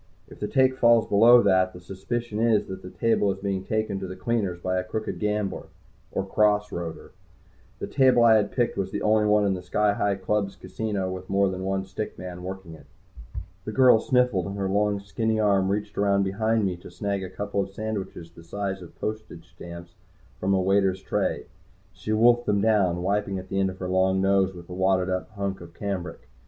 If the take falls below that, the suspicion is that the table is being taken to the cleaners by a crooked gambler, or "cross roader." The table I had picked was the only one in the Sky Hi Club's casino with more than one stick man working it. The girl sniffled, and her long skinny arm reached around behind me to snag a couple sandwiches the size of postage stamps from a waiter's tray. She wolfed them down, wiping at the end of her long nose with a wadded up hunk of cambric.